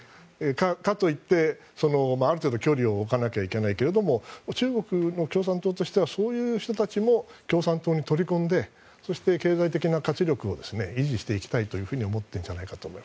かといってある程度距離を置かないといけないけど共産党としてはそういう人たちも共産党に取り込んで経済的な活力を維持していきたいというふうに思っていると思います。